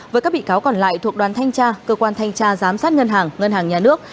với các bị cáo còn lại thuộc đoàn thanh tra cơ quan thanh tra giám sát ngân hàng ngân hàng nhà nước